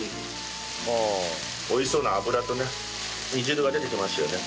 美味しそうな脂とね煮汁が出てきましたよね。